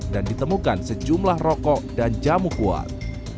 dan ditemukan sejumlah rokok dan jamu kuat